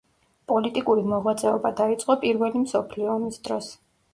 პოლიტიკური მოღვაწეობა დაიწყო პირველი მსოფლიო ომის დროს.